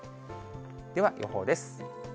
では予報です。